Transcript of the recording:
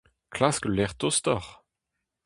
Klask ul lec'h tostoc'h !